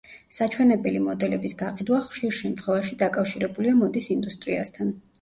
საჩვენებელი მოდელების გაყიდვა ხშირ შემთხვევაში დაკავშირებულია მოდის ინდუსტრიასთან.